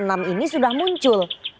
enam ini sudah muncul